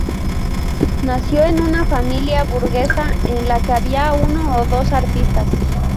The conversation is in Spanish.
Nació en una familia burguesa en la que había uno o dos artistas.